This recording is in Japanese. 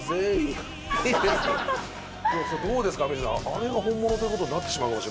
あれが本物ということになってしまうかもしれませんね。